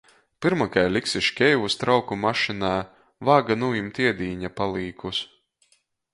Pyrma kai liksi škeivus trauku mašinē, vāga nūjimt iedīņa palīkus.